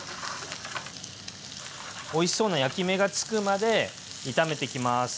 おいしそうな焼き目がつくまで炒めていきます。